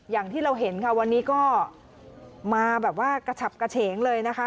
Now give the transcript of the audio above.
อย่างที่เราเห็นค่ะวันนี้ก็มาแบบว่ากระฉับกระเฉงเลยนะคะ